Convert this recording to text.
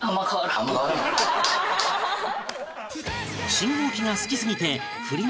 信号機が好きすぎてフリマ